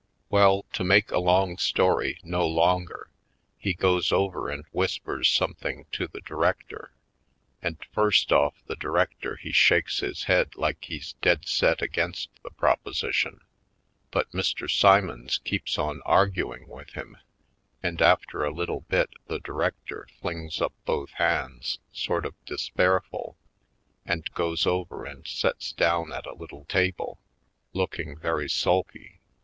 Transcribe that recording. Well, to make a long story no longer, he goes over and w^hispers something to the director and first ofif the director he shakes his head like he's dead set against the prop osition but Mr. Simons keeps on arguing with him and after a little bit the director flings up both hands sort of despairful and goes over and sets down at a little table, looking very sulky.